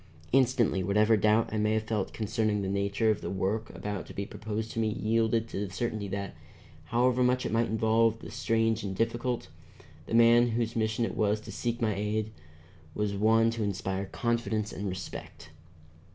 Instantly whatever doubt I may have felt concerning the nature of the work about to be proposed to me yielded to the certainty that, however much it might involve of the strange and difficult, the man whose mission it was to seek my aid was one to inspire confidence and respect.